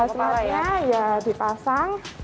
baju khas matnya ya dipasang